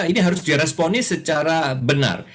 ini harus diresponnya secara benar